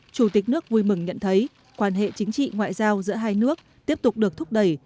chủ tịch nước vui mừng nhận thấy quan hệ chính trị ngoại giao giữa hai nước tiếp tục được thúc đẩy